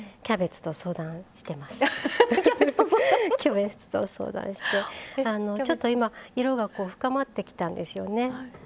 キャベツと相談してあのちょっと今色が深まってきたんですよね。